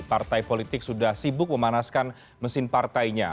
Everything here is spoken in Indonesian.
partai politik sudah sibuk memanaskan mesin partainya